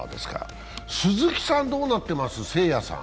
鈴木誠也さん、どうなってます？